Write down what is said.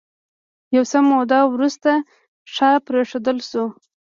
یو څه موده وروسته ښار پرېښودل شو.